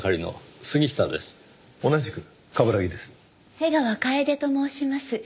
瀬川楓と申します。